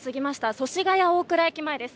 祖師ヶ谷大蔵駅前です。